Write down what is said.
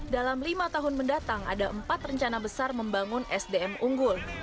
dalam lima tahun mendatang ada empat rencana besar membangun sdm unggul